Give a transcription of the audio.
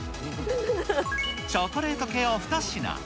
チョコレート系を２品。